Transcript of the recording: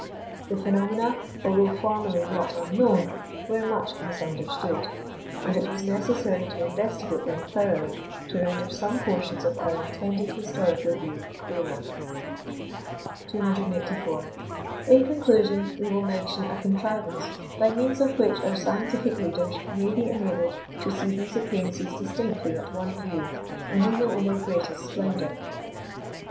The phenomena, although formerly not unknown, were much misunderstood; and it was necessary to investigate them thoroughly to render some portions of our intended historical view clearer. 284. In conclusion, we will mention a contrivance by means of which our scientific readers may be enabled to see these appearances distinctly at one view, and even in their greatest splendour.